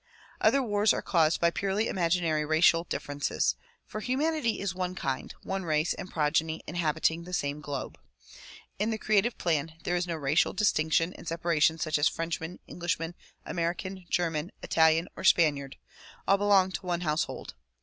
Other wars are caused by purely imaginary racial differences; for humanity is one kind, one race and progeny inhabiting the same globe. In the creative plan there is no racial distinction and separation such as Frenchman, Englishman, American, German, Italian or Spaniard ; all belong to one household.